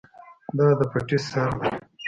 دا د پټی سر دی.